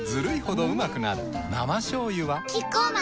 生しょうゆはキッコーマン